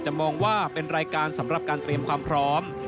มองว่าเป็นรายการสำหรับการเตรียมความพร้อม